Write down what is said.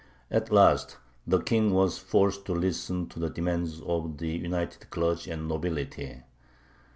At last the King was forced to listen to the demands of the united clergy and nobility.